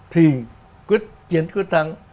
thì chiến quyết thắng